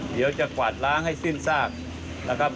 เดี๋ยวจะกวาดล้างให้สิ้นซากนะครับ